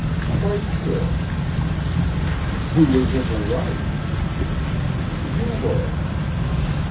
"Quite sure." "Who was in the right?" "You were."